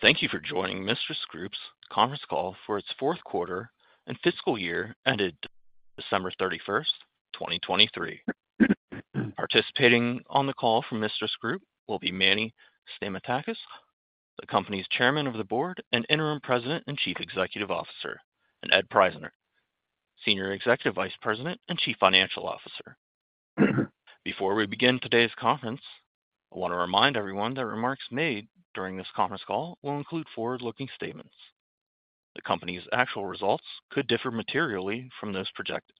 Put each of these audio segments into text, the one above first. Thank you for joining MISTRAS Group's conference call for its fourth quarter and fiscal year ended December 31st, 2023. Participating on the call from MISTRAS Group will be Manny Stamatakis, the company's Chairman of the Board and Interim President and Chief Executive Officer, and Ed Prajzner, Senior Executive Vice President and Chief Financial Officer. Before we begin today's conference, I want to remind everyone that remarks made during this conference call will include forward-looking statements. The company's actual results could differ materially from those projected.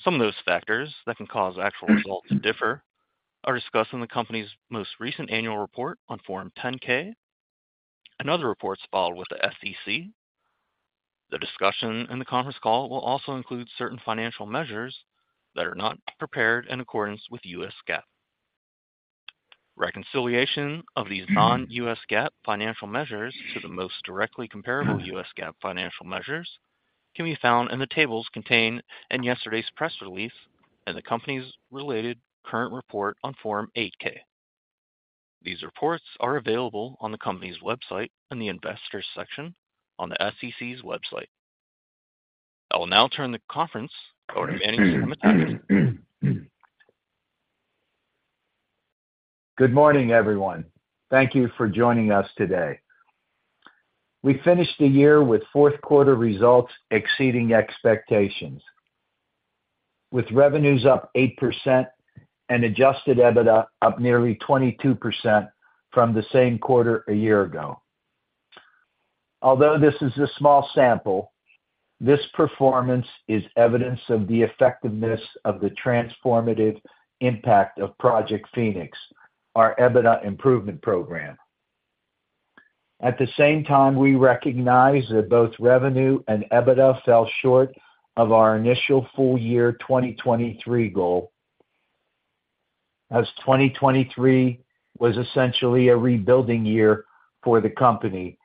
Some of those factors that can cause actual results to differ are discussed in the company's most recent annual report on Form 10-K and other reports filed with the SEC. The discussion in the conference call will also include certain financial measures that are not prepared in accordance with U.S. GAAP. Reconciliation of these non-GAAP financial measures to the most directly comparable U.S. GAAP financial measures can be found in the tables contained in yesterday's press release and the company's related current report on Form 8-K. These reports are available on the company's website in the investors section on the SEC's website. I will now turn the conference over to Manny Stamatakis. Good morning, everyone. Thank you for joining us today. We finished the year with fourth quarter results exceeding expectations, with revenues up 8% and adjusted EBITDA up nearly 22% from the same quarter a year ago. Although this is a small sample, this performance is evidence of the effectiveness of the transformative impact of Project Phoenix, our EBITDA improvement program. At the same time, we recognize that both revenue and EBITDA fell short of our initial full-year 2023 goal, as 2023 was essentially a rebuilding year for the company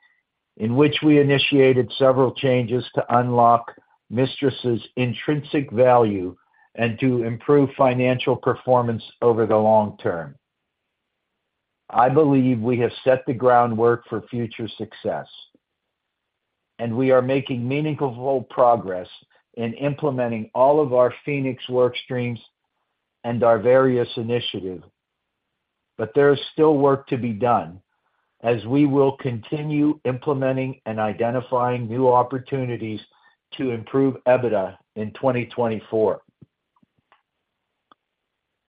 in which we initiated several changes to unlock MISTRAS's intrinsic value and to improve financial performance over the long term. I believe we have set the groundwork for future success, and we are making meaningful progress in implementing all of our Phoenix workstreams and our various initiatives. There is still work to be done as we will continue implementing and identifying new opportunities to improve EBITDA in 2024.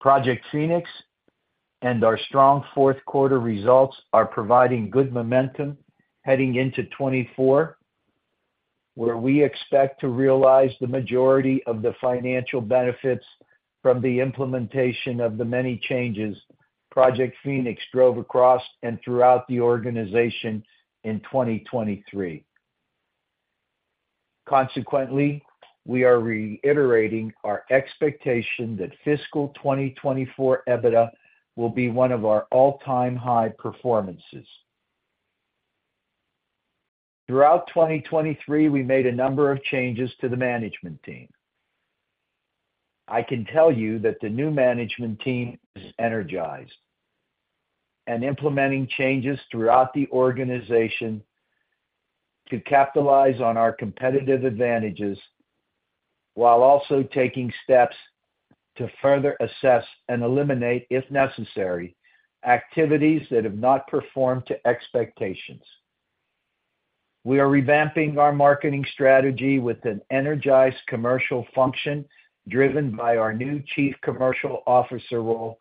Project Phoenix and our strong fourth quarter results are providing good momentum heading into 2024, where we expect to realize the majority of the financial benefits from the implementation of the many changes Project Phoenix drove across and throughout the organization in 2023. Consequently, we are reiterating our expectation that fiscal 2024 EBITDA will be one of our all-time high performances. Throughout 2023, we made a number of changes to the management team. I can tell you that the new management team is energized and implementing changes throughout the organization to capitalize on our competitive advantages while also taking steps to further assess and eliminate, if necessary, activities that have not performed to expectations. We are revamping our marketing strategy with an energized commercial function driven by our new Chief Commercial Officer role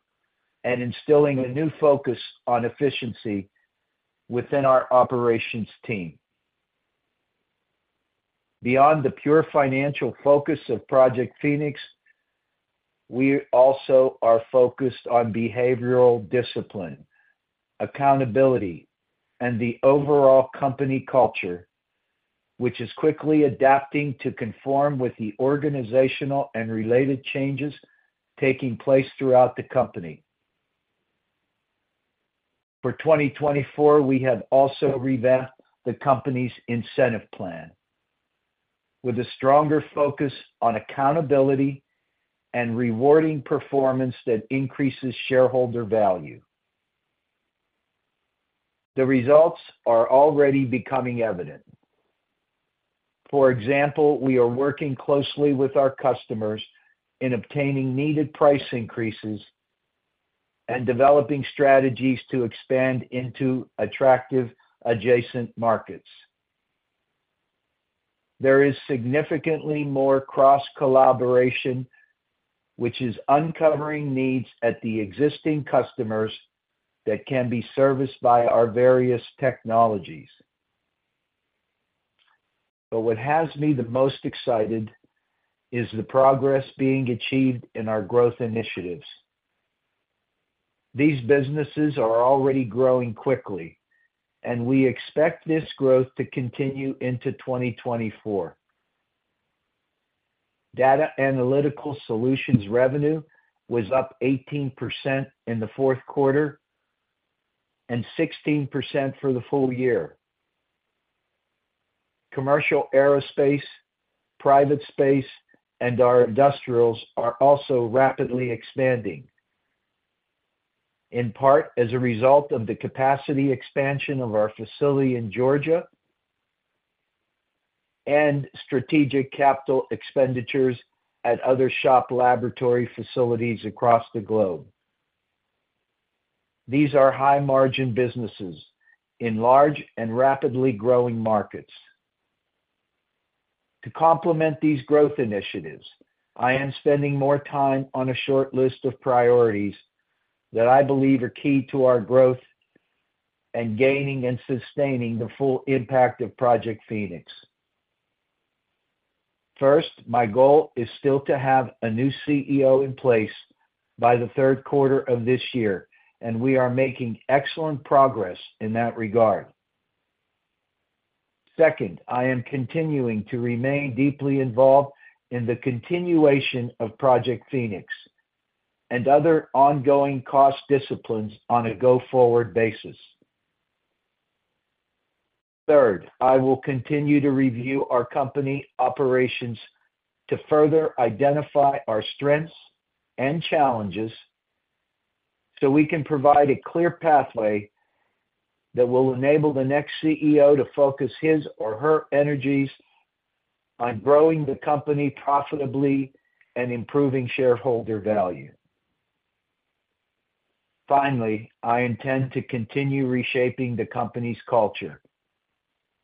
and instilling a new focus on efficiency within our operations team. Beyond the pure financial focus of Project Phoenix, we also are focused on behavioral discipline, accountability, and the overall company culture, which is quickly adapting to conform with the organizational and related changes taking place throughout the company. For 2024, we have also revamped the company's incentive plan with a stronger focus on accountability and rewarding performance that increases shareholder value. The results are already becoming evident. For example, we are working closely with our customers in obtaining needed price increases and developing strategies to expand into attractive adjacent markets. There is significantly more cross-collaboration, which is uncovering needs at the existing customers that can be serviced by our various technologies. But what has me the most excited is the progress being achieved in our growth initiatives. These businesses are already growing quickly, and we expect this growth to continue into 2024. Data analytical solutions revenue was up 18% in the fourth quarter and 16% for the full year. Commercial aerospace, private space, and our industrials are also rapidly expanding, in part as a result of the capacity expansion of our facility in Georgia and strategic capital expenditures at other shop laboratory facilities across the globe. These are high-margin businesses in large and rapidly growing markets. To complement these growth initiatives, I am spending more time on a short list of priorities that I believe are key to our growth and gaining and sustaining the full impact of Project Phoenix. First, my goal is still to have a new CEO in place by the third quarter of this year, and we are making excellent progress in that regard. Second, I am continuing to remain deeply involved in the continuation of Project Phoenix and other ongoing cost disciplines on a go-forward basis. Third, I will continue to review our company operations to further identify our strengths and challenges so we can provide a clear pathway that will enable the next CEO to focus his or her energies on growing the company profitably and improving shareholder value. Finally, I intend to continue reshaping the company's culture,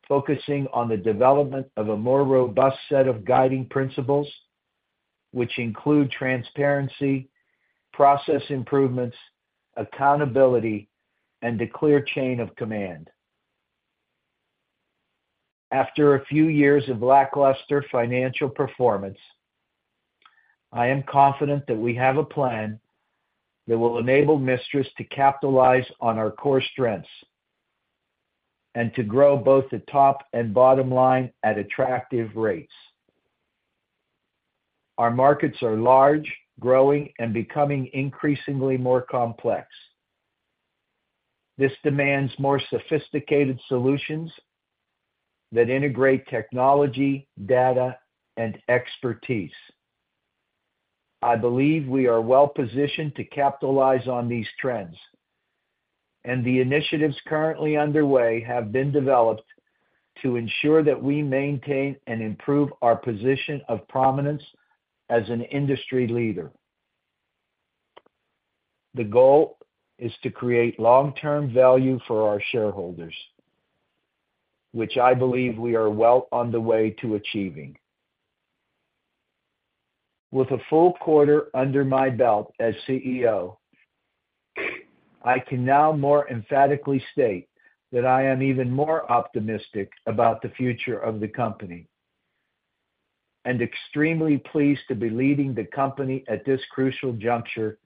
focusing on the development of a more robust set of guiding principles, which include transparency, process improvements, accountability, and a clear chain of command. After a few years of lackluster financial performance, I am confident that we have a plan that will enable MISTRAS to capitalize on our core strengths and to grow both the top and bottom line at attractive rates. Our markets are large, growing, and becoming increasingly more complex. This demands more sophisticated solutions that integrate technology, data, and expertise. I believe we are well-positioned to capitalize on these trends, and the initiatives currently underway have been developed to ensure that we maintain and improve our position of prominence as an industry leader. The goal is to create long-term value for our shareholders, which I believe we are well on the way to achieving. With a full quarter under my belt as CEO, I can now more emphatically state that I am even more optimistic about the future of the company and extremely pleased to be leading the company at this crucial juncture,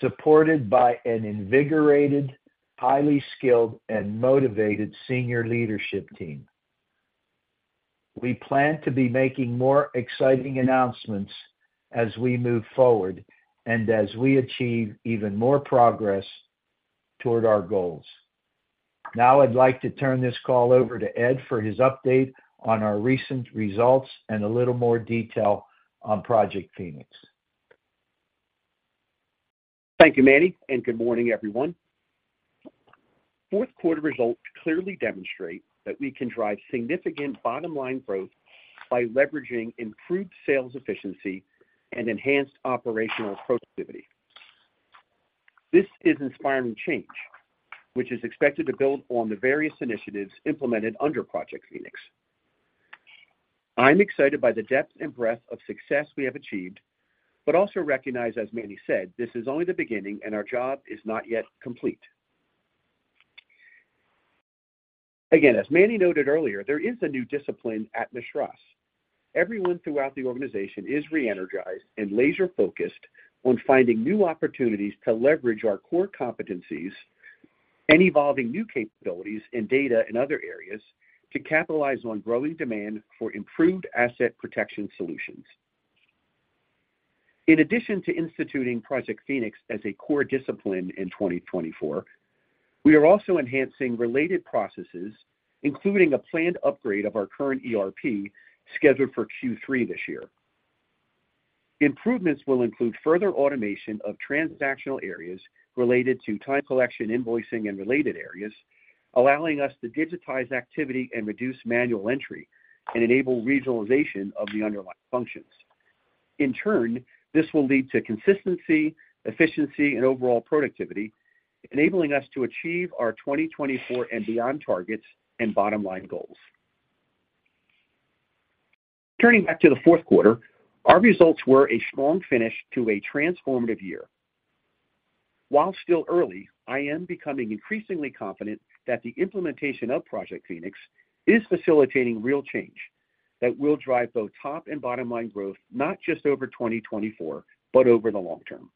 supported by an invigorated, highly skilled, and motivated senior leadership team. We plan to be making more exciting announcements as we move forward and as we achieve even more progress toward our goals. Now I'd like to turn this call over to Ed for his update on our recent results and a little more detail on Project Phoenix. Thank you, Manny, and good morning, everyone. Fourth quarter results clearly demonstrate that we can drive significant bottom line growth by leveraging improved sales efficiency and enhanced operational productivity. This is inspiring change, which is expected to build on the various initiatives implemented under Project Phoenix. I'm excited by the depth and breadth of success we have achieved, but also recognize, as Manny said, this is only the beginning, and our job is not yet complete. Again, as Manny noted earlier, there is a new discipline at MISTRAS. Everyone throughout the organization is re-energized and laser-focused on finding new opportunities to leverage our core competencies and evolving new capabilities in data and other areas to capitalize on growing demand for improved asset protection solutions. In addition to instituting Project Phoenix as a core discipline in 2024, we are also enhancing related processes, including a planned upgrade of our current ERP scheduled for Q3 this year. Improvements will include further automation of transactional areas related to time collection, invoicing, and related areas, allowing us to digitize activity and reduce manual entry and enable regionalization of the underlying functions. In turn, this will lead to consistency, efficiency, and overall productivity, enabling us to achieve our 2024 and beyond targets and bottom line goals. Turning back to the fourth quarter, our results were a strong finish to a transformative year. While still early, I am becoming increasingly confident that the implementation of Project Phoenix is facilitating real change that will drive both top and bottom line growth not just over 2024 but over the long term.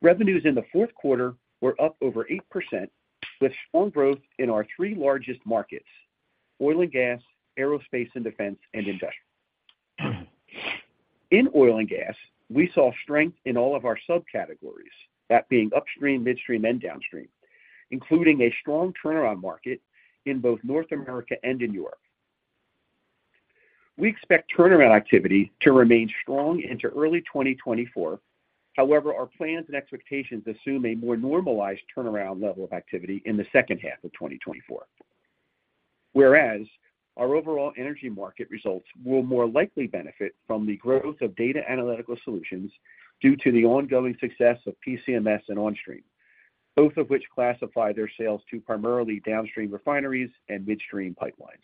Revenues in the fourth quarter were up over 8% with strong growth in our three largest markets: oil and gas, aerospace, and defense and industrial. In oil and gas, we saw strength in all of our subcategories, that being upstream, midstream, and downstream, including a strong turnaround market in both North America and in Europe. We expect turnaround activity to remain strong into early 2024. However, our plans and expectations assume a more normalized turnaround level of activity in the second half of 2024, whereas our overall energy market results will more likely benefit from the growth of data analytical solutions due to the ongoing success of PCMS and Onstream, both of which classify their sales to primarily downstream refineries and midstream pipelines.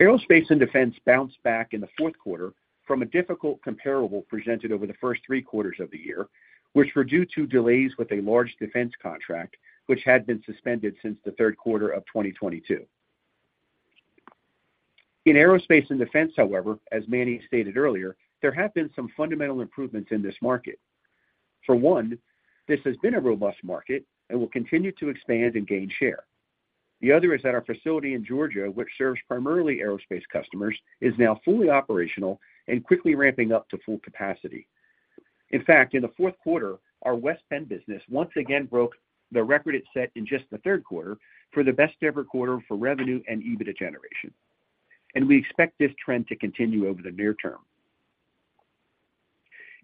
Aerospace and defense bounced back in the fourth quarter from a difficult comparable presented over the first three quarters of the year, which were due to delays with a large defense contract which had been suspended since the third quarter of 2022. In aerospace and defense, however, as Manny stated earlier, there have been some fundamental improvements in this market. For one, this has been a robust market and will continue to expand and gain share. The other is that our facility in Georgia, which serves primarily aerospace customers, is now fully operational and quickly ramping up to full capacity. In fact, in the fourth quarter, our West Penn business once again broke the record it set in just the third quarter for the best-ever quarter for revenue and EBITDA generation, and we expect this trend to continue over the near term.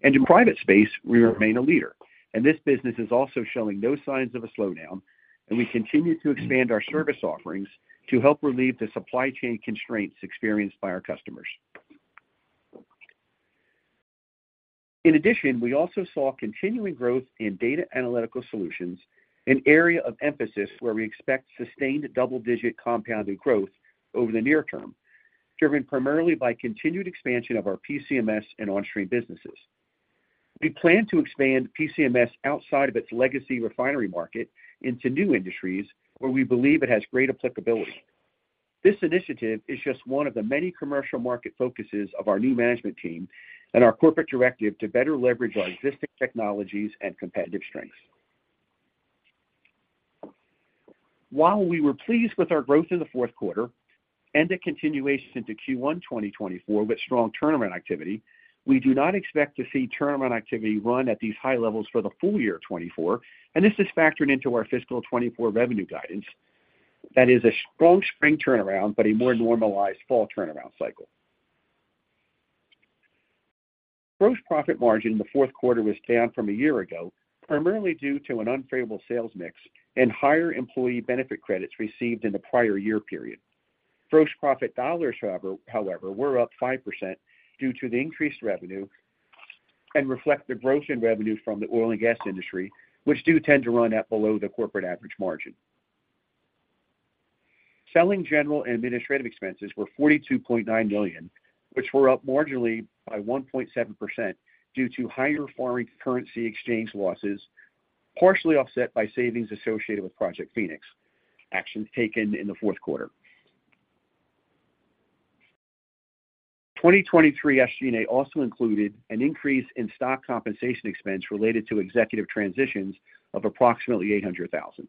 In private space, we remain a leader, and this business is also showing no signs of a slowdown, and we continue to expand our service offerings to help relieve the supply chain constraints experienced by our customers. In addition, we also saw continuing growth in data analytical solutions, an area of emphasis where we expect sustained double-digit compounding growth over the near term driven primarily by continued expansion of our PCMS and Onstream businesses. We plan to expand PCMS outside of its legacy refinery market into new industries where we believe it has great applicability. This initiative is just one of the many commercial market focuses of our new management team and our corporate directive to better leverage our existing technologies and competitive strengths. While we were pleased with our growth in the fourth quarter and a continuation to Q1 2024 with strong turnaround activity, we do not expect to see turnaround activity run at these high levels for the full year 2024, and this is factored into our fiscal 2024 revenue guidance. That is, a strong spring turnaround but a more normalized fall turnaround cycle. Gross profit margin in the fourth quarter was down from a year ago, primarily due to an unfavorable sales mix and higher employee benefit credits received in the prior year period. Gross profit dollars, however, were up 5% due to the increased revenue and reflect the growth in revenue from the oil and gas industry, which do tend to run at below the corporate average margin. Selling, general, and administrative expenses were $42.9 million, which were up marginally by 1.7% due to higher foreign currency exchange losses, partially offset by savings associated with Project Phoenix actions taken in the fourth quarter 2023 SG&A also included an increase in stock compensation expense related to executive transitions of approximately $800,000.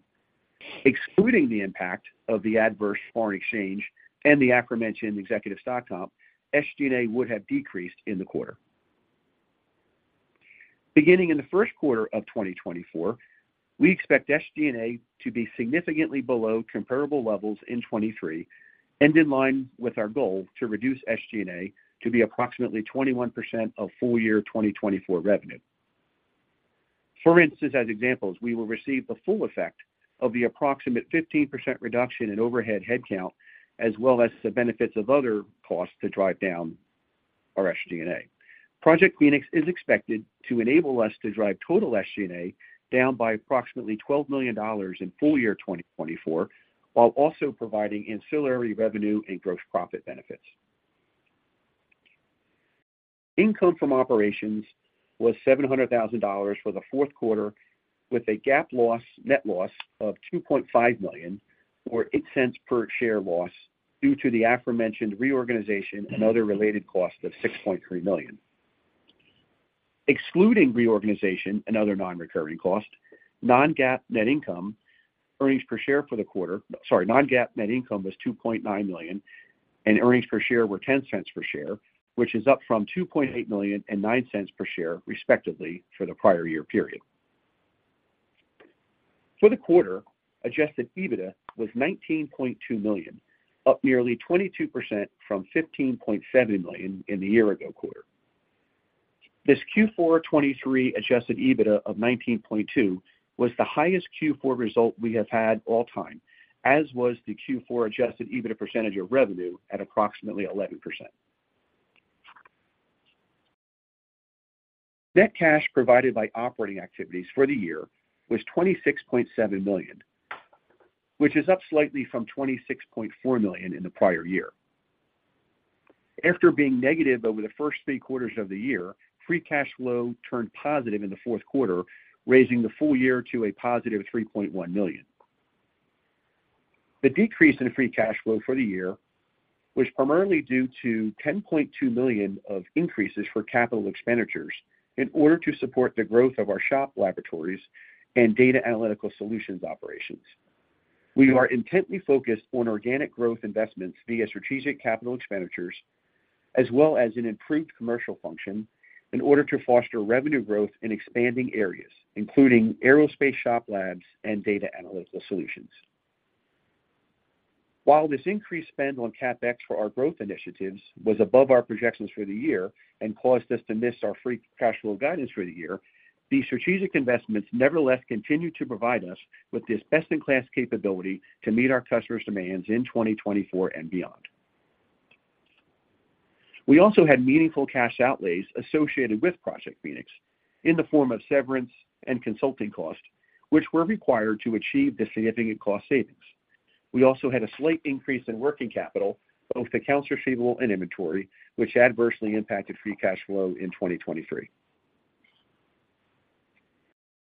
Excluding the impact of the adverse foreign exchange and the aforementioned executive stock comp, SG&A would have decreased in the quarter. Beginning in the first quarter of 2024, we expect SG&A to be significantly below comparable levels in 2023 and in line with our goal to reduce SG&A to be approximately 21% of full year 2024 revenue. For instance, as examples, we will receive the full effect of the approximate 15% reduction in overhead headcount as well as the benefits of other costs to drive down our SG&A. Project Phoenix is expected to enable us to drive total SG&A down by approximately $12 million in full year 2024 while also providing ancillary revenue and gross profit benefits. Income from operations was $700,000 for the fourth quarter with a GAAP loss, net loss of $2.5 million or $0.08 per share loss due to the aforementioned reorganization and other related costs of $6.3 million. Excluding reorganization and other non-recurring costs, non-GAAP net income earnings per share for the quarter sorry, non-GAAP net income was $2.9 million, and earnings per share were $0.10 per share, which is up from $2.8 million and $0.09 per share, respectively, for the prior year period. For the quarter, adjusted EBITDA was $19.2 million, up nearly 22% from $15.7 million in the year-ago quarter. This Q4 2023 adjusted EBITDA of $19.2 million was the highest Q4 result we have had all time, as was the Q4 adjusted EBITDA percentage of revenue at approximately 11%. Net cash provided by operating activities for the year was $26.7 million, which is up slightly from $26.4 million in the prior year. After being negative over the first three quarters of the year, free cash flow turned positive in the fourth quarter, raising the full year to a +$3.1 million. The decrease in free cash flow for the year was primarily due to $10.2 million of increases for capital expenditures in order to support the growth of our shop laboratories and data analytical solutions operations. We are intently focused on organic growth investments via strategic capital expenditures as well as an improved commercial function in order to foster revenue growth in expanding areas, including aerospace shop labs and data analytical solutions. While this increased spend on CapEx for our growth initiatives was above our projections for the year and caused us to miss our free cash flow guidance for the year, these strategic investments nevertheless continue to provide us with this best-in-class capability to meet our customers' demands in 2024 and beyond. We also had meaningful cash outlays associated with Project Phoenix in the form of severance and consulting costs, which were required to achieve the significant cost savings. We also had a slight increase in working capital, both accounts receivable and inventory, which adversely impacted free cash flow in 2023.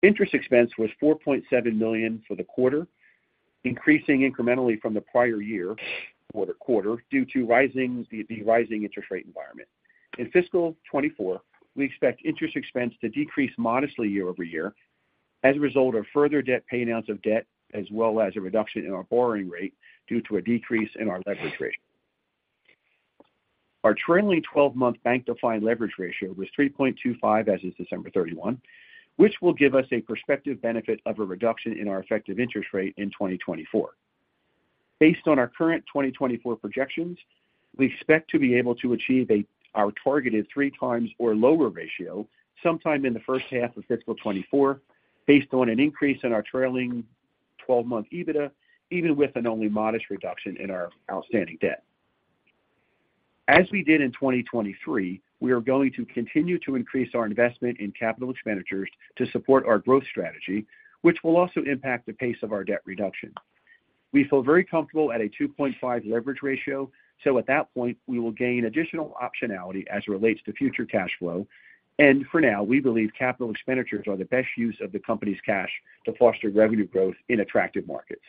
Interest expense was $4.7 million for the quarter, increasing incrementally from the prior year quarter due to the rising interest rate environment. In fiscal 2024, we expect interest expense to decrease modestly year over year as a result of further debt payouts of debt as well as a reduction in our borrowing rate due to a decrease in our leverage ratio. Our trailing 12-month bank-defined leverage ratio was 3.25 as of December 31st, 2023, which will give us a prospective benefit of a reduction in our effective interest rate in 2024. Based on our current 2024 projections, we expect to be able to achieve our targeted 3 times or lower ratio sometime in the first half of fiscal 2024 based on an increase in our trailing 12-month EBITDA, even with an only modest reduction in our outstanding debt. As we did in 2023, we are going to continue to increase our investment in capital expenditures to support our growth strategy, which will also impact the pace of our debt reduction. We feel very comfortable at a 2.5 leverage ratio, so at that point, we will gain additional optionality as it relates to future cash flow. For now, we believe capital expenditures are the best use of the company's cash to foster revenue growth in attractive markets.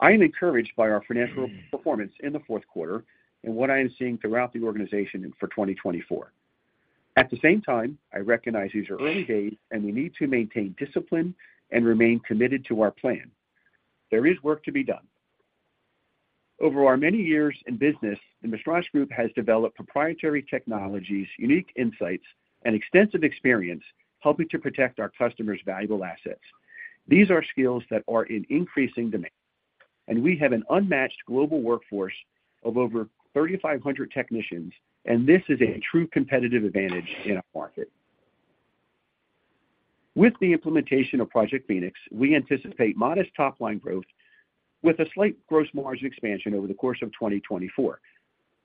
I am encouraged by our financial performance in the fourth quarter and what I am seeing throughout the organization for 2024. At the same time, I recognize these are early days, and we need to maintain discipline and remain committed to our plan. There is work to be done. Over our many years in business, the MISTRAS Group has developed proprietary technologies, unique insights, and extensive experience helping to protect our customers' valuable assets. These are skills that are in increasing demand, and we have an unmatched global workforce of over 3,500 technicians, and this is a true competitive advantage in our market. With the implementation of Project Phoenix, we anticipate modest top-line growth with a slight gross margin expansion over the course of 2024.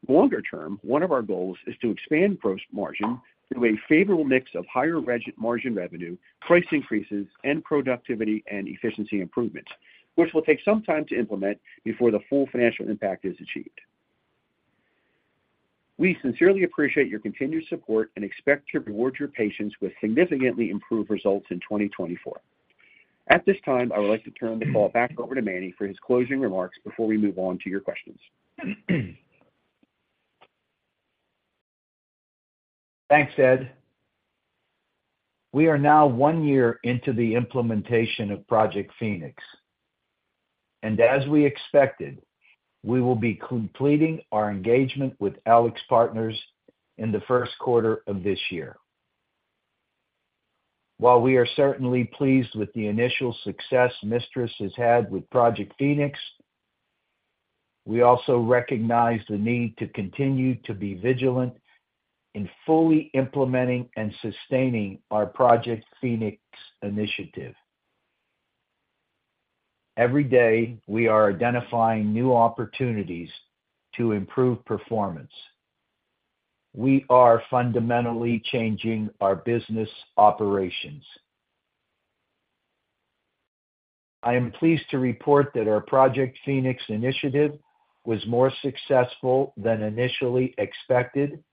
Longer term, one of our goals is to expand gross margin through a favorable mix of higher margin revenue, price increases, and productivity and efficiency improvements, which will take some time to implement before the full financial impact is achieved. We sincerely appreciate your continued support and expect to reward your patience with significantly improved results in 2024. At this time, I would like to turn the call back over to Manny for his closing remarks before we move on to your questions. Thanks, Ed. We are now one year into the implementation of Project Phoenix, and as we expected, we will be completing our engagement with AlixPartners in the first quarter of this year. While we are certainly pleased with the initial success MISTRAS has had with Project Phoenix, we also recognize the need to continue to be vigilant in fully implementing and sustaining our Project Phoenix initiative. Every day, we are identifying new opportunities to improve performance. We are fundamentally changing our business operations. I am pleased to report that our Project Phoenix initiative was more successful than initially expected,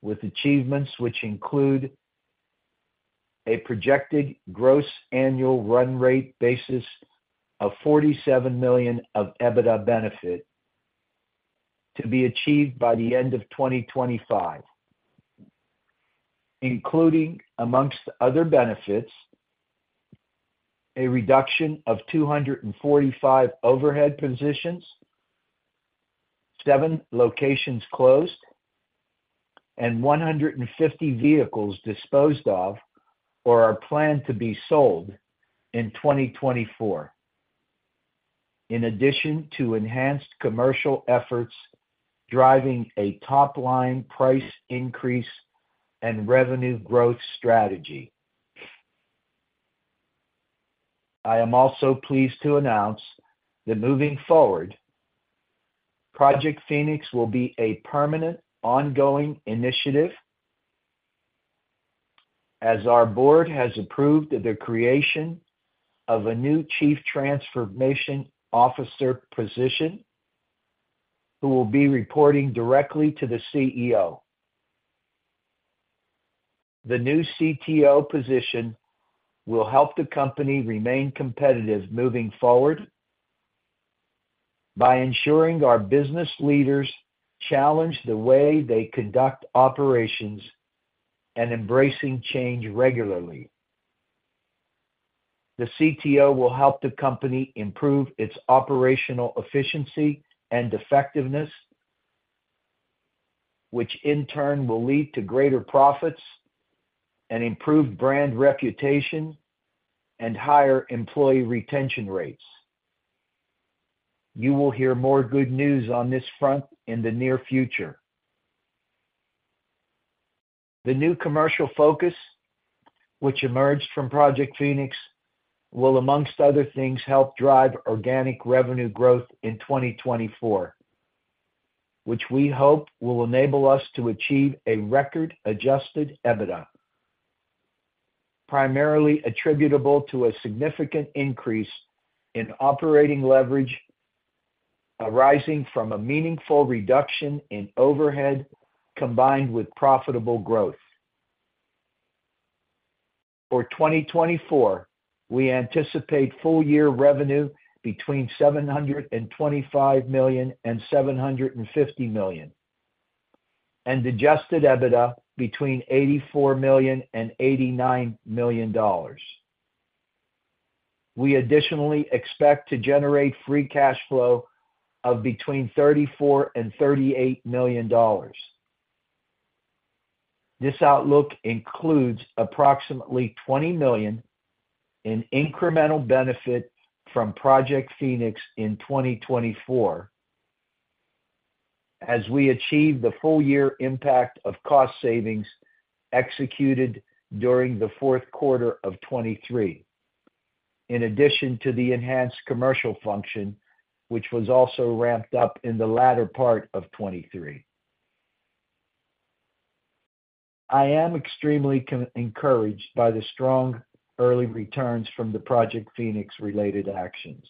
with achievements which include a projected gross annual run-rate basis of $47 million of EBITDA benefit to be achieved by the end of 2025, including, among other benefits, a reduction of 245 overhead positions, 7 locations closed, and 150 vehicles disposed of or are planned to be sold in 2024, in addition to enhanced commercial efforts driving a top-line price increase and revenue growth strategy. I am also pleased to announce that moving forward, Project Phoenix will be a permanent, ongoing initiative as our board has approved the creation of a new Chief Transformation Officer position who will be reporting directly to the CEO. The new CTO position will help the company remain competitive moving forward by ensuring our business leaders challenge the way they conduct operations and embracing change regularly. The CTO will help the company improve its operational efficiency and effectiveness, which in turn will lead to greater profits, an improved brand reputation, and higher employee retention rates. You will hear more good news on this front in the near future. The new commercial focus which emerged from Project Phoenix will, among other things, help drive organic revenue growth in 2024, which we hope will enable us to achieve a record adjusted EBITDA, primarily attributable to a significant increase in operating leverage arising from a meaningful reduction in overhead combined with profitable growth. For 2024, we anticipate full year revenue between $725 million-$750 million and adjusted EBITDA between $84 million-$89 million. We additionally expect to generate free cash flow of between $34 million-$38 million. This outlook includes approximately $20 million in incremental benefit from Project Phoenix in 2024 as we achieve the full year impact of cost savings executed during the fourth quarter of 2023, in addition to the enhanced commercial function, which was also ramped up in the latter part of 2023. I am extremely encouraged by the strong early returns from the Project Phoenix-related actions.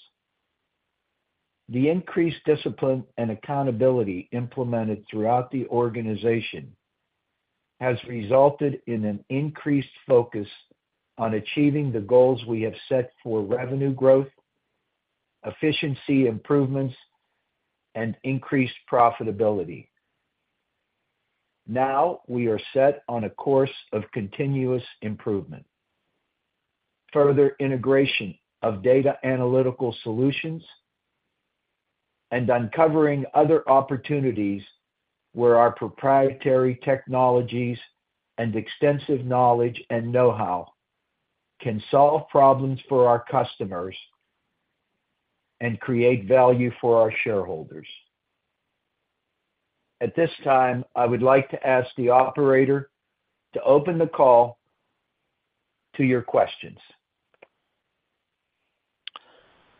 The increased discipline and accountability implemented throughout the organization has resulted in an increased focus on achieving the goals we have set for revenue growth, efficiency improvements, and increased profitability. Now we are set on a course of continuous improvement, further integration of data analytical solutions, and uncovering other opportunities where our proprietary technologies and extensive knowledge and know-how can solve problems for our customers and create value for our shareholders. At this time, I would like to ask the operator to open the call to your questions.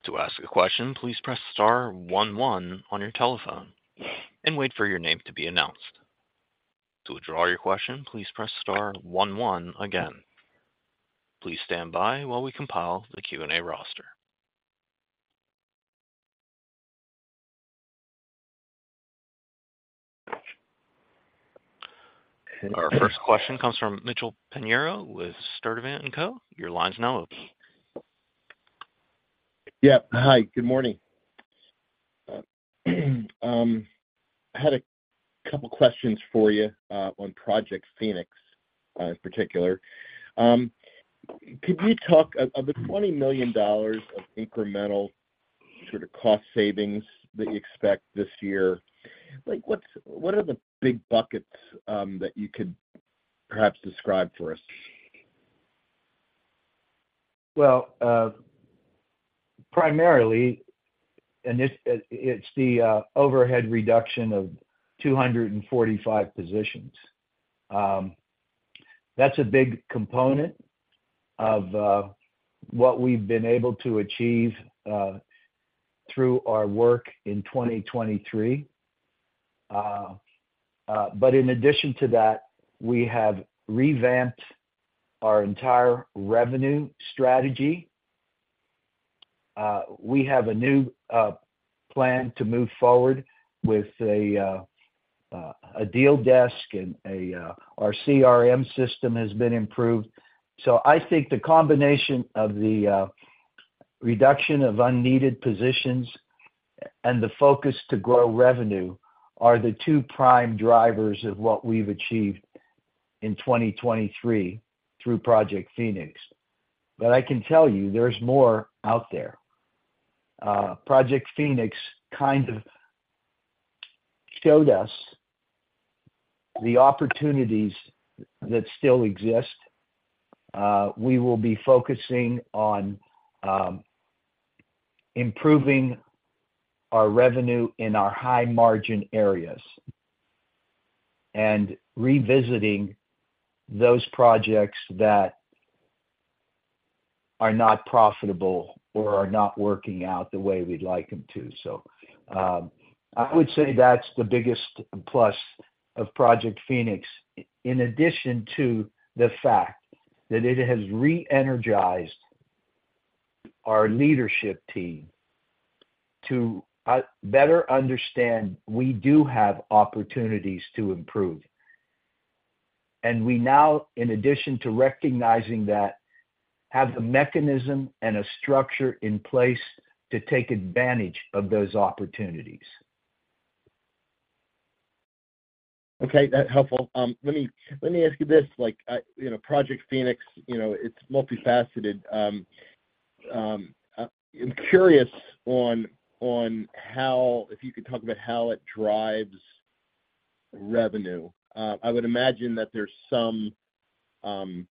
To ask a question, please press star one one on your telephone and wait for your name to be announced. To withdraw your question, please press star one one again. Please stand by while we compile the Q&A roster. Our first question comes from Mitchell Pinheiro with Sturdivant & Co. Your line's now open. Yep. Hi. Good morning. I had a couple of questions for you on Project Phoenix in particular. Could you talk of the $20 million of incremental sort of cost savings that you expect this year? What are the big buckets that you could perhaps describe for us? Well, primarily, it's the overhead reduction of 245 positions. That's a big component of what we've been able to achieve through our work in 2023. But in addition to that, we have revamped our entire revenue strategy. We have a new plan to move forward with a deal desk, and our CRM system has been improved. So I think the combination of the reduction of unneeded positions and the focus to grow revenue are the two prime drivers of what we've achieved in 2023 through Project Phoenix. But I can tell you there's more out there. Project Phoenix kind of showed us the opportunities that still exist. We will be focusing on improving our revenue in our high-margin areas and revisiting those projects that are not profitable or are not working out the way we'd like them to. So I would say that's the biggest plus of Project Phoenix, in addition to the fact that it has re-energized our leadership team to better understand we do have opportunities to improve. We now, in addition to recognizing that, have the mechanism and a structure in place to take advantage of those opportunities. Okay. That's helpful. Let me ask you this. Project Phoenix, it's multifaceted. I'm curious if you could talk about how it drives revenue. I would imagine that there's some culling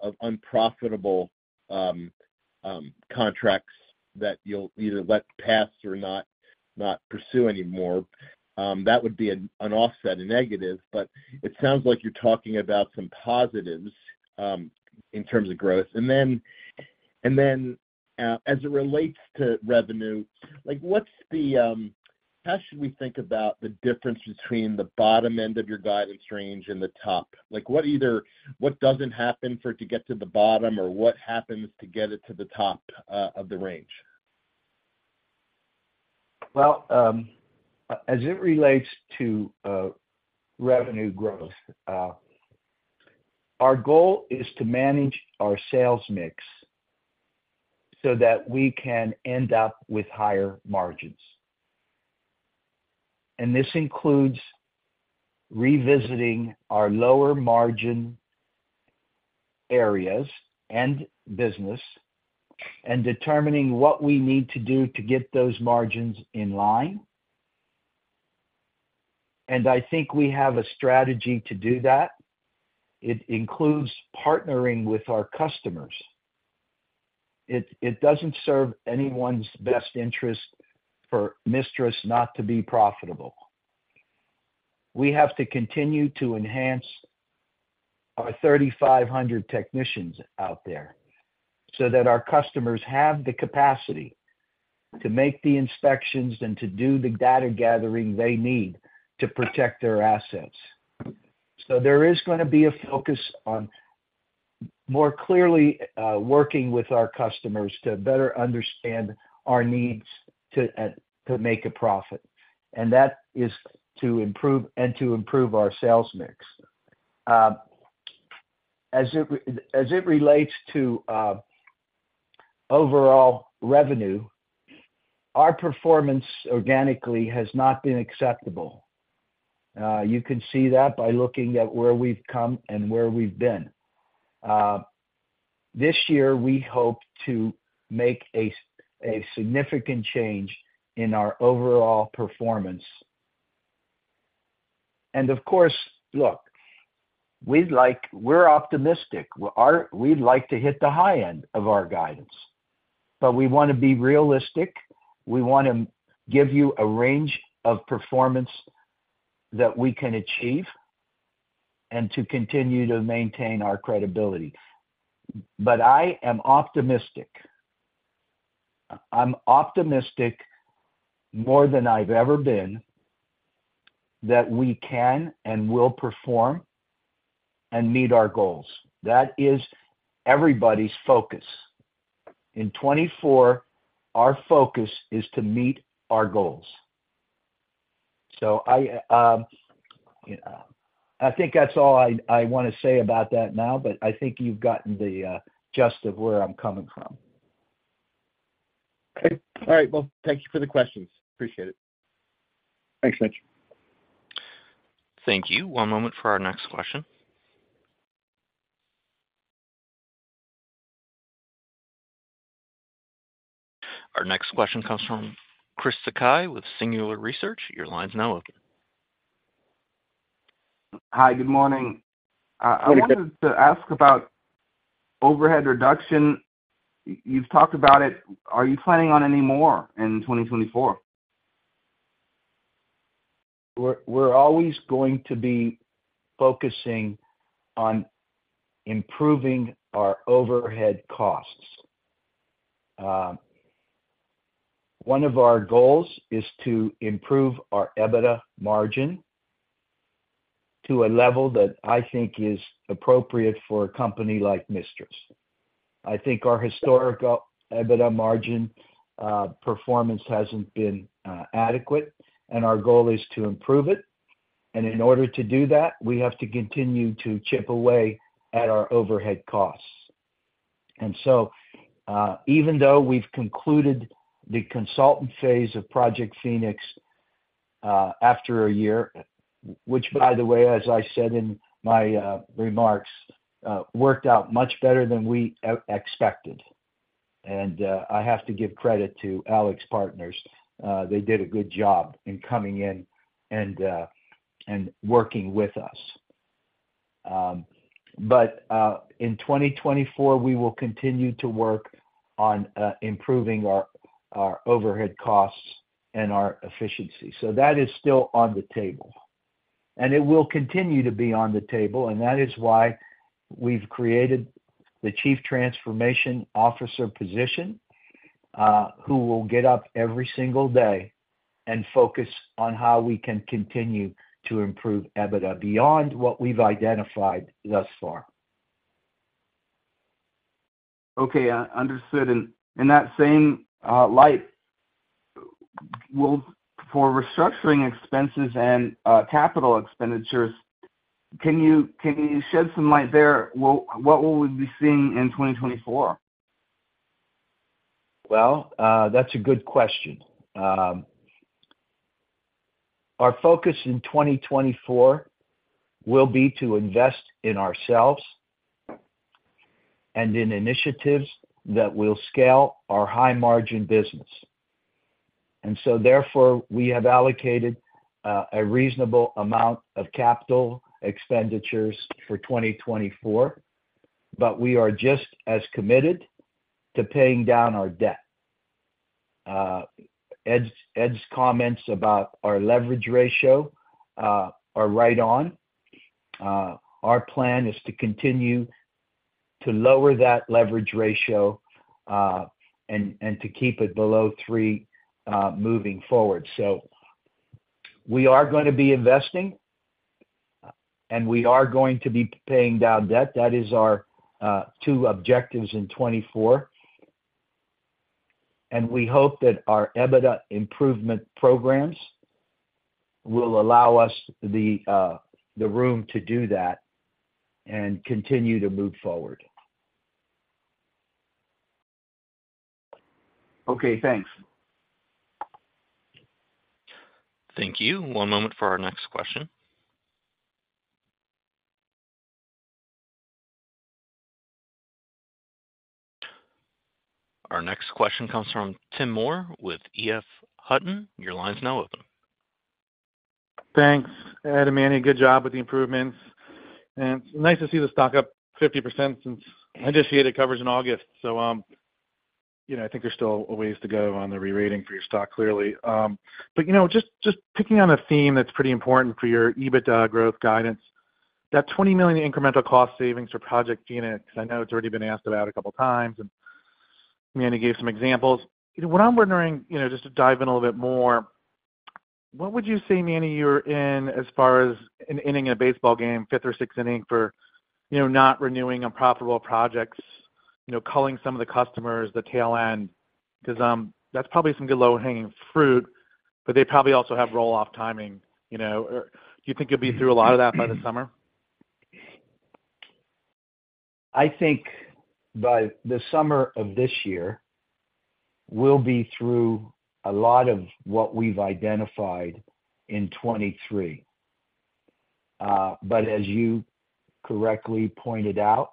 of unprofitable contracts that you'll either let pass or not pursue anymore. That would be an offset, a negative. But it sounds like you're talking about some positives in terms of growth. And then as it relates to revenue, how should we think about the difference between the bottom end of your guidance range and the top? What doesn't happen for it to get to the bottom, or what happens to get it to the top of the range? Well, as it relates to revenue growth, our goal is to manage our sales mix so that we can end up with higher margins. This includes revisiting our lower-margin areas and business and determining what we need to do to get those margins in line. I think we have a strategy to do that. It includes partnering with our customers. It doesn't serve anyone's best interest for MISTRAS not to be profitable. We have to continue to enhance our 3,500 technicians out there so that our customers have the capacity to make the inspections and to do the data gathering they need to protect their assets. So there is going to be a focus on more clearly working with our customers to better understand our needs to make a profit, and that is to improve our sales mix. As it relates to overall revenue, our performance organically has not been acceptable. You can see that by looking at where we've come and where we've been. This year, we hope to make a significant change in our overall performance. And of course, look, we're optimistic. We'd like to hit the high end of our guidance, but we want to be realistic. We want to give you a range of performance that we can achieve and to continue to maintain our credibility. But I am optimistic, I'm optimistic more than I've ever been, that we can and will perform and meet our goals. That is everybody's focus. In 2024, our focus is to meet our goals. So I think that's all I want to say about that now, but I think you've gotten the gist of where I'm coming from. Okay. All right. Well, thank you for the questions. Appreciate it. Thanks, Mitch. Thank you. One moment for our next question. Our next question comes from Chris Sakai with Singular Research. Your line's now open. Hi. Good morning. I wanted to ask about overhead reduction. You've talked about it. Are you planning on any more in 2024? We're always going to be focusing on improving our overhead costs. One of our goals is to improve our EBITDA margin to a level that I think is appropriate for a company like MISTRAS. I think our historical EBITDA margin performance hasn't been adequate, and our goal is to improve it. And in order to do that, we have to continue to chip away at our overhead costs. And so even though we've concluded the consultant phase of Project Phoenix after a year, which, by the way, as I said in my remarks, worked out much better than we expected. I have to give credit to AlixPartners. They did a good job in coming in and working with us. But in 2024, we will continue to work on improving our overhead costs and our efficiency. So that is still on the table, and it will continue to be on the table. And that is why we've created the chief transformation officer position who will get up every single day and focus on how we can continue to improve EBITDA beyond what we've identified thus far. Okay. Understood. And in that same light, for restructuring expenses and capital expenditures, can you shed some light there? What will we be seeing in 2024? Well, that's a good question. Our focus in 2024 will be to invest in ourselves and in initiatives that will scale our high-margin business. So therefore, we have allocated a reasonable amount of capital expenditures for 2024, but we are just as committed to paying down our debt. Ed's comments about our leverage ratio are right on. Our plan is to continue to lower that leverage ratio and to keep it below 3 moving forward. So we are going to be investing, and we are going to be paying down debt. That is our two objectives in 2024. And we hope that our EBITDA improvement programs will allow us the room to do that and continue to move forward. Okay. Thanks. Thank you. One moment for our next question. Our next question comes from Tim Moore with EF Hutton. Your line's now open. Thanks. Ed and Manny, good job with the improvements. And it's nice to see the stock up 50% since I initiated coverage in August. So I think there's still a ways to go on the rerating for your stock, clearly. But just picking on a theme that's pretty important for your EBITDA growth guidance, that $20 million incremental cost savings for Project Phoenix, I know it's already been asked about a couple of times, and Manny gave some examples. What I'm wondering, just to dive in a little bit more, what would you say, Manny, you're in as far as ending a baseball game, fifth or sixth inning, for not renewing unprofitable projects, culling some of the customers, the tail end? Because that's probably some good low-hanging fruit, but they probably also have roll-off timing. Do you think you'll be through a lot of that by the summer? I think by the summer of this year, we'll be through a lot of what we've identified in 2023. But as you correctly pointed out,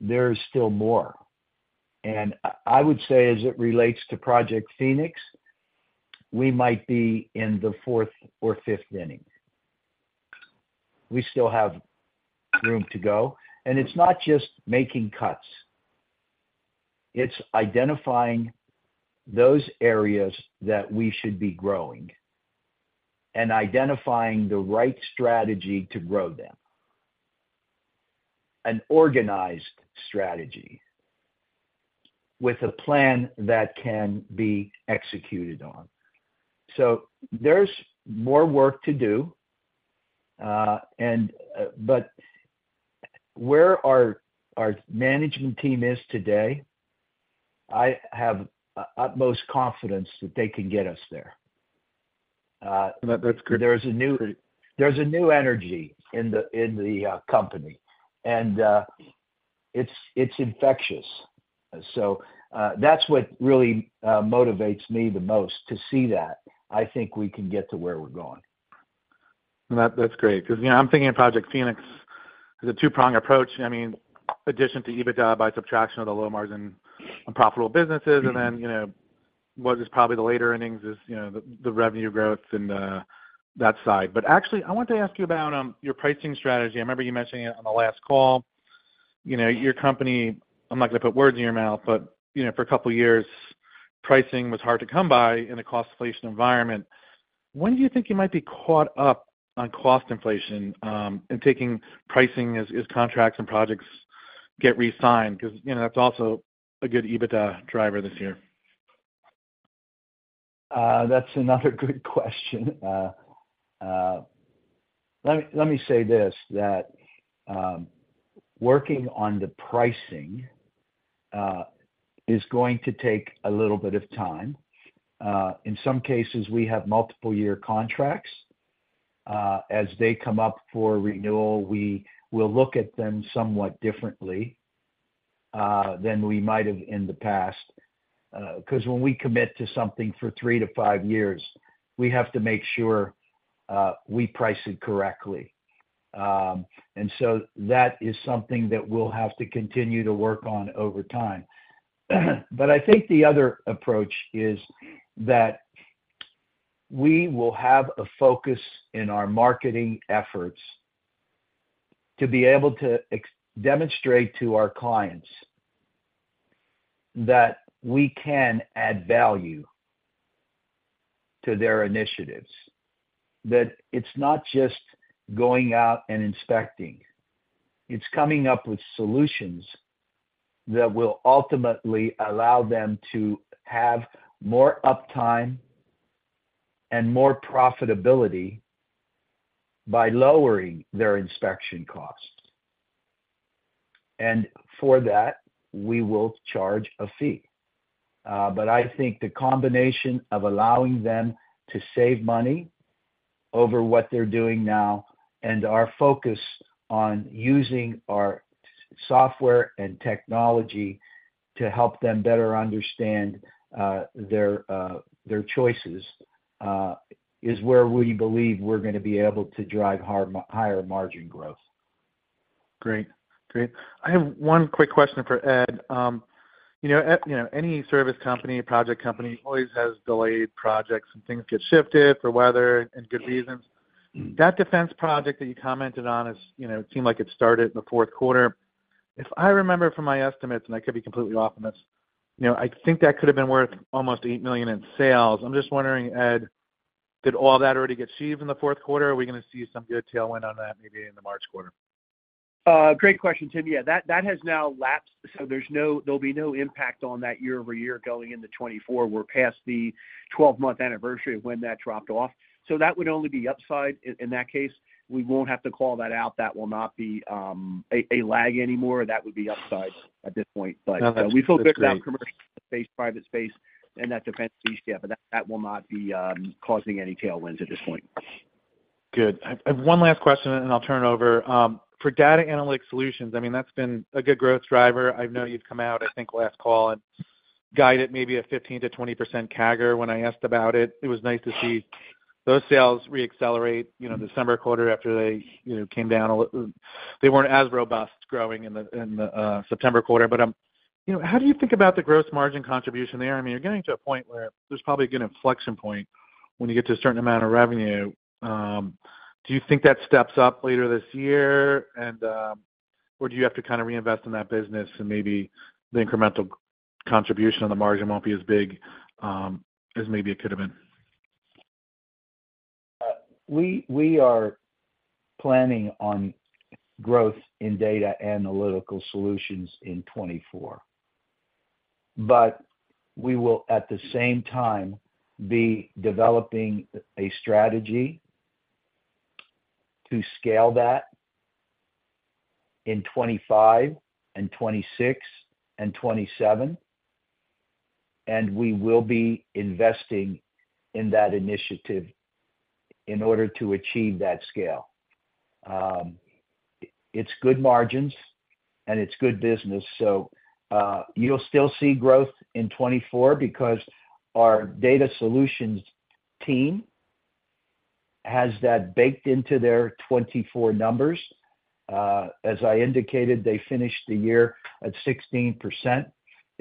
there's still more. I would say, as it relates to Project Phoenix, we might be in the fourth or fifth inning. We still have room to go. It's not just making cuts. It's identifying those areas that we should be growing and identifying the right strategy to grow them, an organized strategy with a plan that can be executed on. There's more work to do. But where our management team is today, I have utmost confidence that they can get us there. That's good. There's a new energy in the company, and it's infectious. That's what really motivates me the most, to see that I think we can get to where we're going. That's great. Because I'm thinking of Project Phoenix as a two-pronged approach. I mean, addition to EBITDA by subtraction of the low-margin unprofitable businesses, and then what is probably the later innings is the revenue growth and that side. But actually, I wanted to ask you about your pricing strategy. I remember you mentioning it on the last call. Your company, I'm not going to put words in your mouth, but for a couple of years, pricing was hard to come by in a cost inflation environment. When do you think you might be caught up on cost inflation and taking pricing as contracts and projects get resigned? Because that's also a good EBITDA driver this year. That's another good question. Let me say this, that working on the pricing is going to take a little bit of time. In some cases, we have multiple-year contracts. As they come up for renewal, we will look at them somewhat differently than we might have in the past. Because when we commit to something for three to five years, we have to make sure we price it correctly. And so that is something that we'll have to continue to work on over time. But I think the other approach is that we will have a focus in our marketing efforts to be able to demonstrate to our clients that we can add value to their initiatives, that it's not just going out and inspecting. It's coming up with solutions that will ultimately allow them to have more uptime and more profitability by lowering their inspection costs. And for that, we will charge a fee. But I think the combination of allowing them to save money over what they're doing now and our focus on using our software and technology to help them better understand their choices is where we believe we're going to be able to drive higher margin growth. Great. Great. I have one quick question for Ed. Any service company, project company, always has delayed projects, and things get shifted for weather and good reasons. That defense project that you commented on, it seemed like it started in the fourth quarter. If I remember from my estimates, and I could be completely off on this, I think that could have been worth almost $8 million in sales. I'm just wondering, Ed, did all that already get achieved in the fourth quarter? Are we going to see some good tailwind on that maybe in the March quarter? Great question, Tim. Yeah. That has now lapsed, so there'll be no impact on that year-over-year going into 2024. We're past the 12-month anniversary of when that dropped off. So that would only be upside. In that case, we won't have to call that out. That will not be a lag anymore. That would be upside at this point. But we feel good about commercial space, private space, and that defense piece yet, but that will not be causing any tailwinds at this point. Good. I have one last question, and I'll turn it over. For data analytics solutions, I mean, that's been a good growth driver. I know you've come out, I think, last call and guided maybe a 15%-20% CAGR when I asked about it. It was nice to see those sales reaccelerate the summer quarter after they came down. They weren't as robust growing in the September quarter. But how do you think about the gross margin contribution there? I mean, you're getting to a point where there's probably going to be an inflection point when you get to a certain amount of revenue. Do you think that steps up later this year, or do you have to kind of reinvest in that business and maybe the incremental contribution on the margin won't be as big as maybe it could have been? We are planning on growth in data analytical solutions in 2024. But we will, at the same time, be developing a strategy to scale that in 2025 and 2026 and 2027. And we will be investing in that initiative in order to achieve that scale. It's good margins, and it's good business. So you'll still see growth in 2024 because our data solutions team has that baked into their 2024 numbers. As I indicated, they finished the year at 16%.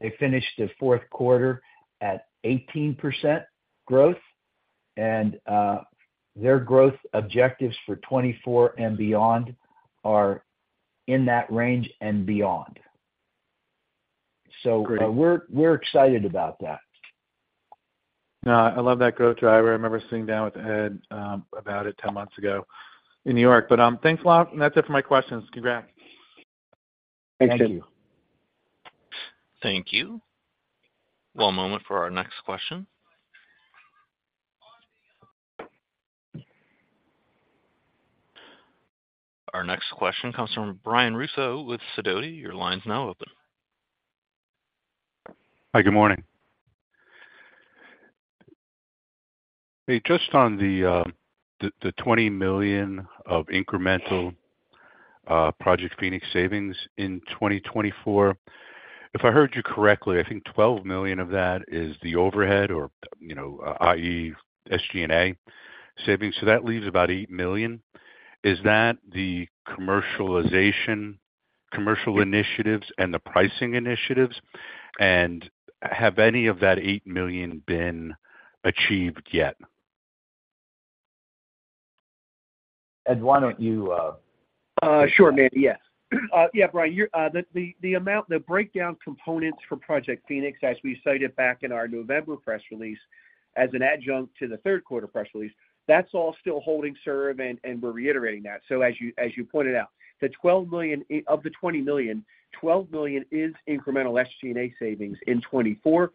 They finished the fourth quarter at 18% growth. And their growth objectives for 2024 and beyond are in that range and beyond. So we're excited about that. No, I love that growth driver. I remember sitting down with Ed about it 10 months ago in New York. But thanks a lot. That's it for my questions. Congrats. Thanks, Tim. Thank you. Thank you. One moment for our next question. Our next question comes from Brian Russo with Sidoti. Your line's now open. Hi. Good morning. Hey, just on the $20 million of incremental Project Phoenix savings in 2024, if I heard you correctly, I think $12 million of that is the overhead, i.e., SG&A savings. So that leaves about $8 million. Is that the commercial initiatives and the pricing initiatives? And have any of that $8 million been achieved yet? Ed, why don't you? Sure, Manny. Yes. Yeah, Brian, the breakdown components for Project Phoenix, as we cited back in our November press release as an adjunct to the third quarter press release, that's all still holding, sir, and we're reiterating that. So as you pointed out, of the $20 million, $12 million is incremental SG&A savings in 2024.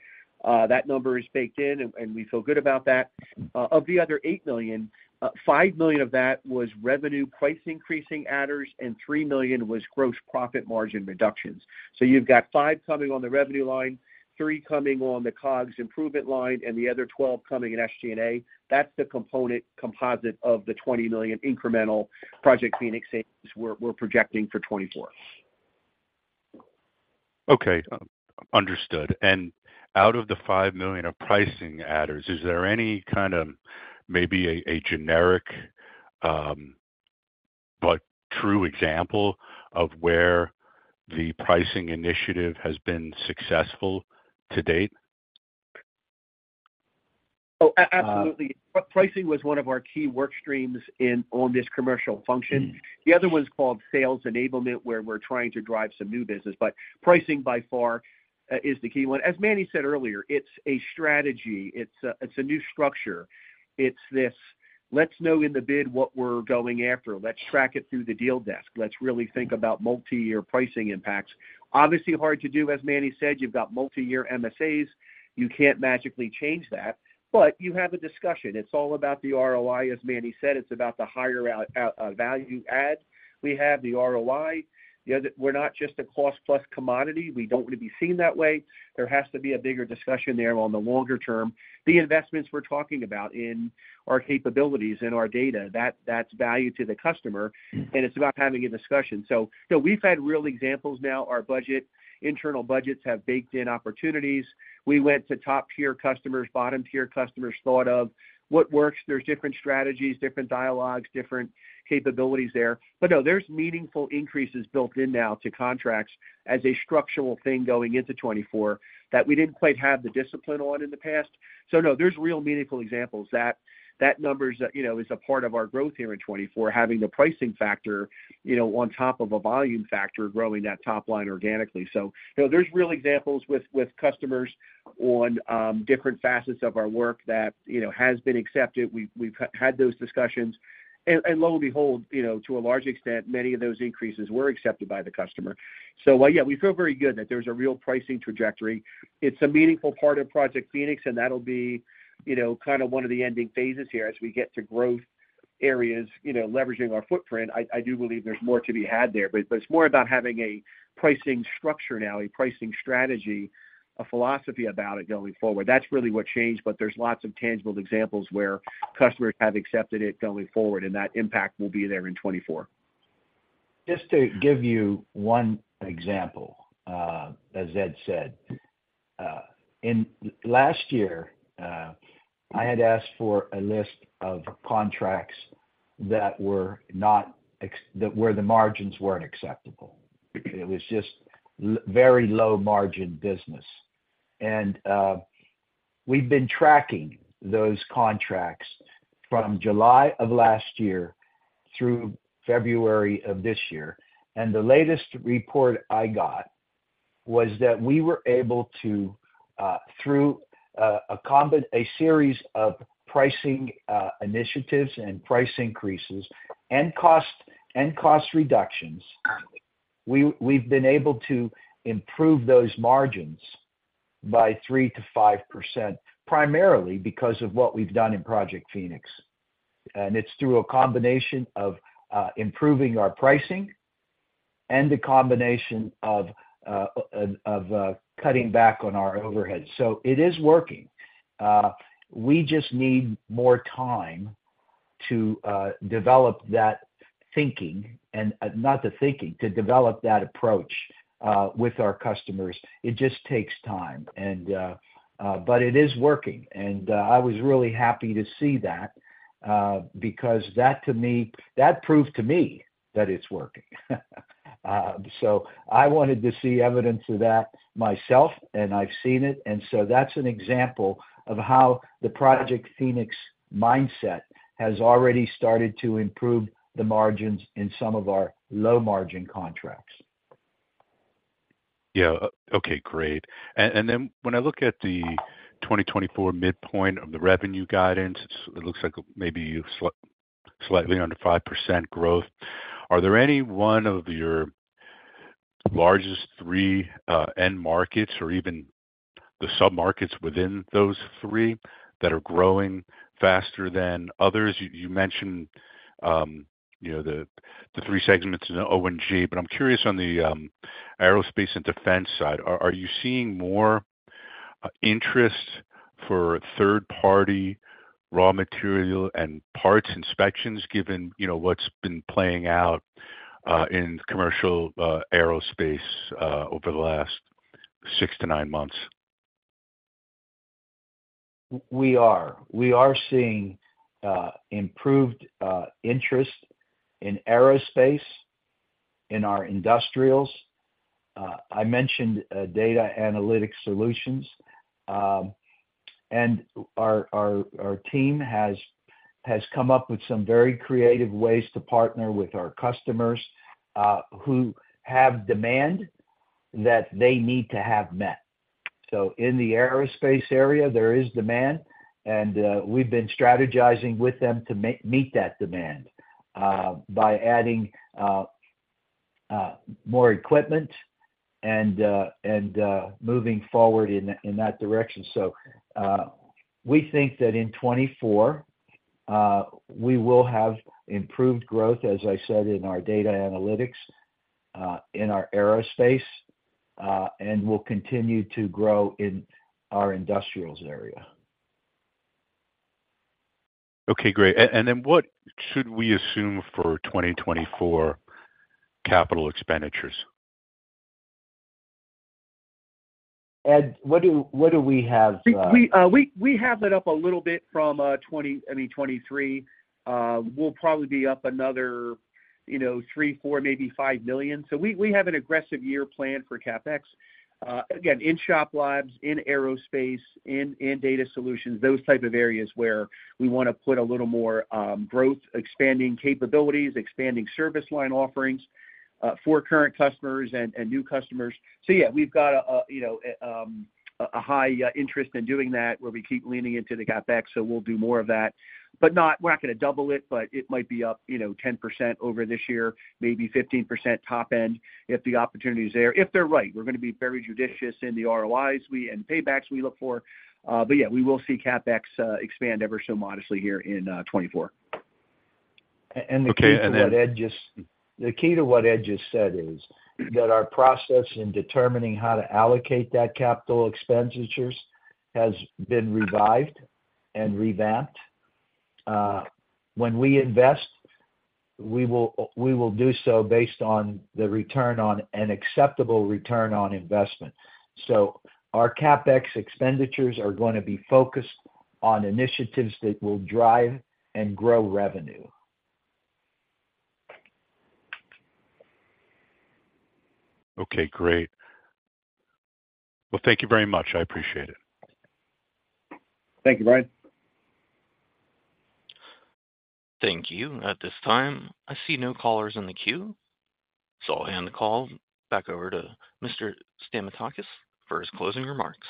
That number is baked in, and we feel good about that. Of the other $8 million, $5 million of that was revenue price-increasing adders, and $3 million was gross profit margin reductions. So you've got $5 million coming on the revenue line, $3 million coming on the COGS improvement line, and the other $12 million coming in SG&A. That's the composite of the $20 million incremental Project Phoenix savings we're projecting for 2024. Okay. Understood. Out of the $5 million of pricing adders, is there any kind of maybe a generic but true example of where the pricing initiative has been successful to date? Oh, absolutely. Pricing was one of our key workstreams on this commercial function. The other one's called sales enablement, where we're trying to drive some new business. But pricing, by far, is the key one. As Manny said earlier, it's a strategy. It's a new structure. It's this, "Let's know in the bid what we're going after. Let's track it through the deal desk. Let's really think about multi-year pricing impacts." Obviously, hard to do, as Manny said. You've got multi-year MSAs. You can't magically change that. But you have a discussion. It's all about the ROI, as Manny said. It's about the higher value add we have, the ROI. We're not just a cost-plus commodity. We don't want to be seen that way. There has to be a bigger discussion there on the longer term. The investments we're talking about in our capabilities, in our data, that's value to the customer. And it's about having a discussion. So we've had real examples now. Our internal budgets have baked in opportunities. We went to top-tier customers, bottom-tier customers, thought of what works. There's different strategies, different dialogues, different capabilities there. But no, there's meaningful increases built in now to contracts as a structural thing going into 2024 that we didn't quite have the discipline on in the past. So no, there's real meaningful examples. That number is a part of our growth here in 2024, having the pricing factor on top of a volume factor growing that top line organically. So there's real examples with customers on different facets of our work that has been accepted. We've had those discussions. And lo and behold, to a large extent, many of those increases were accepted by the customer. So yeah, we feel very good that there's a real pricing trajectory. It's a meaningful part of Project Phoenix, and that'll be kind of one of the ending phases here as we get to growth areas, leveraging our footprint. I do believe there's more to be had there. But it's more about having a pricing structure now, a pricing strategy, a philosophy about it going forward. That's really what changed. But there's lots of tangible examples where customers have accepted it going forward, and that impact will be there in 2024. Just to give you one example, as Ed said, last year, I had asked for a list of contracts where the margins weren't acceptable. It was just very low-margin business. We've been tracking those contracts from July of last year through February of this year. The latest report I got was that we were able to, through a series of pricing initiatives and price increases and cost reductions, we've been able to improve those margins by 3%-5%, primarily because of what we've done in Project Phoenix. It's through a combination of improving our pricing and a combination of cutting back on our overheads. So it is working. We just need more time to develop that thinking and not the thinking, to develop that approach with our customers. It just takes time. But it is working. I was really happy to see that because that proved to me that it's working. So I wanted to see evidence of that myself, and I've seen it. And so that's an example of how the Project Phoenix mindset has already started to improve the margins in some of our low-margin contracts. Yeah. Okay. Great. And then when I look at the 2024 midpoint of the revenue guidance, it looks like maybe slightly under 5% growth. Are there any one of your largest three end markets or even the submarkets within those three that are growing faster than others? You mentioned the three segments in ONG. But I'm curious on the aerospace and defense side, are you seeing more interest for third-party raw material and parts inspections, given what's been playing out in commercial aerospace over the last 6-9 months? We are. We are seeing improved interest in aerospace, in our industrials. I mentioned data analytics solutions. Our team has come up with some very creative ways to partner with our customers who have demand that they need to have met. So in the aerospace area, there is demand. We've been strategizing with them to meet that demand by adding more equipment and moving forward in that direction. So we think that in 2024, we will have improved growth, as I said, in our data analytics, in our aerospace, and we'll continue to grow in our industrials area. Okay. Great. Then what should we assume for 2024 capital expenditures? Ed, what do we have? We have it up a little bit from, I mean, 2023. We'll probably be up another $3 million-$4 million, maybe $5 million. So we have an aggressive year plan for CapEx. Again, in shop labs, in aerospace, in data solutions, those type of areas where we want to put a little more growth, expanding capabilities, expanding service line offerings for current customers and new customers. So yeah, we've got a high interest in doing that, where we keep leaning into the CapEx. So we'll do more of that. We're not going to double it, but it might be up 10% over this year, maybe 15% top end if the opportunity is there, if they're right. We're going to be very judicious in the ROIs and paybacks we look for. But yeah, we will see CapEx expand ever so modestly here in 2024. And the key to what Ed just said is that our process in determining how to allocate that capital expenditures has been revived and revamped. When we invest, we will do so based on an acceptable return on investment. So our CapEx expenditures are going to be focused on initiatives that will drive and grow revenue. Okay. Great. Well, thank you very much. I appreciate it. Thank you, Brian. Thank you. At this time, I see no callers in the queue. So I'll hand the call back over to Mr. Stamatakis for his closing remarks.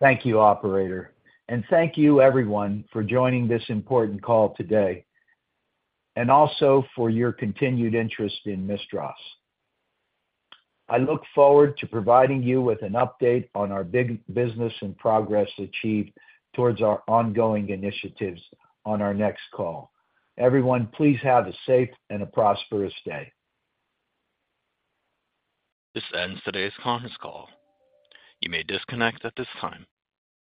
Thank you, operator. And thank you, everyone, for joining this important call today and also for your continued interest in MISTRAS. I look forward to providing you with an update on our big business and progress achieved towards our ongoing initiatives on our next call. Everyone, please have a safe and a prosperous day. This ends today's conference call. You may disconnect at this time.